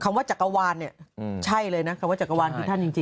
ว่าจักรวาลเนี่ยใช่เลยนะคำว่าจักรวาลคือท่านจริง